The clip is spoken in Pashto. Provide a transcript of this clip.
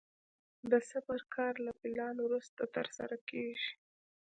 د صبر کار له پلان وروسته ترسره کېږي.